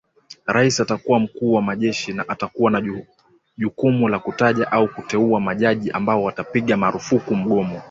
Rais atakuwa mkuu wa majeshi na atakuwa na jukumu la kutaja au kuteua majaji ambao watapiga marufuku mgomo